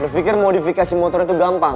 lo pikir modifikasi motor itu gampang